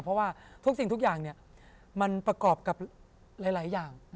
เพราะว่าทุกสิ่งทุกอย่างมันประกอบกับหลายอย่าง